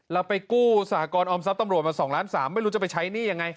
เราไปกู้สหกรออมทรัพย์ตำรวจมา๒ล้าน๓ไม่รู้จะไปใช้หนี้ยังไง